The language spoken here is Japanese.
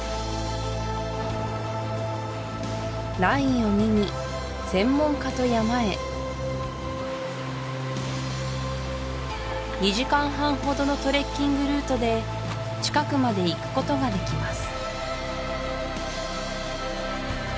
ラインを見に専門家と山へ２時間半ほどのトレッキングルートで近くまで行くことができます